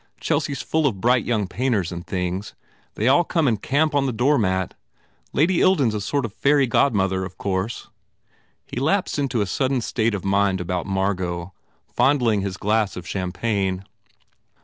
Chelsea s full of bright young painters and things. They all come and camp on the doormat. Lady Ilden s 139 THE FAIR REWARDS a sort of fairy godmother, of course. " He lapsed into a sudden state of mind about Margot, fondling his glass of champagne.